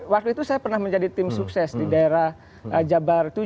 waktu itu saya pernah menjadi tim sukses di daerah jabar tujuh